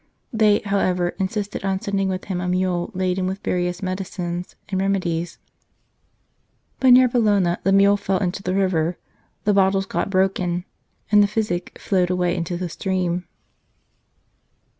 They, however, insisted on sending with him a mule laden with various medicines and remedies ; but near Bologna the mule fell into the river, the bottles got broken, and the physic flowed away into the stream.